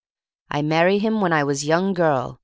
"I marry him w'en I was young girl.